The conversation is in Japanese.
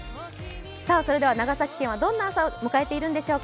それでは長崎県はどんな朝を迎えているのでしょうか？